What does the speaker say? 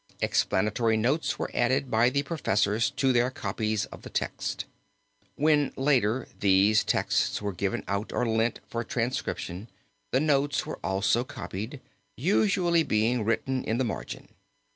Explanatory notes were added by the professors to their copies of the text. When later these texts were given out or lent for transcription, the notes were also copied, usually being written in the margin.